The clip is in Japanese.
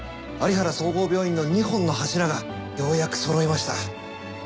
有原総合病院の２本の柱がようやくそろいました。